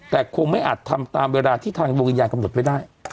แต่คงไม่อาจทำตามเวลาที่ทางดวงวิญญาณกำหนดไว้ได้